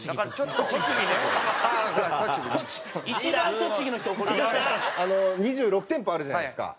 あの２６店舗あるじゃないですか。